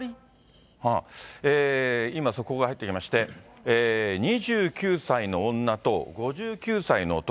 今、速報が入ってきまして、２９歳の女と５９歳の男。